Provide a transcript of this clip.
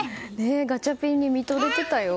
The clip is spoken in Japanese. ガチャピンに見とれてたよ。